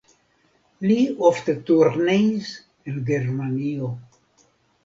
Li ofte turneis en Germanio.